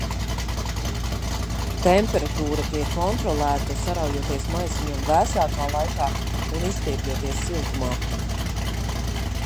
Temperatūra tiek kontrolēta, saraujoties maisiņam vēsākā laikā un izstiepjoties siltumā.